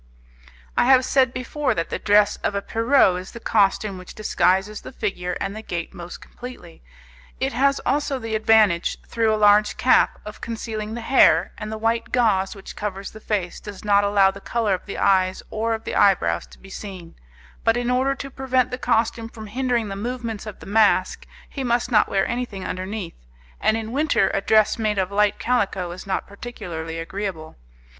I have said before that the dress of a Pierrot is the costume which disguises the figure and the gait most completely. It has also the advantage, through a large cap, of concealing the hair, and the white gauze which covers the face does not allow the colour of the eyes or of the eyebrows to be seen, but in order to prevent the costume from hindering the movements of the mask, he must not wear anything underneath, and in winter a dress made of light calico is not particularly agreeable.